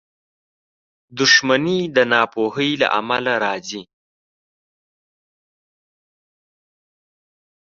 • دښمني د ناپوهۍ له امله راځي.